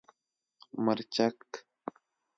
🌶 مورچک